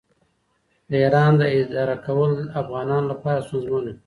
د ایران اداره کول افغانانو لپاره ستونزمن و.